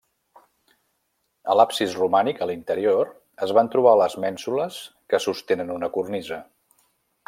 A l'absis romànic, a l'interior, es van trobar les mènsules que sostenen una cornisa.